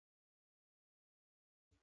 ټیټ ځان باور هم د اضطراب لامل دی.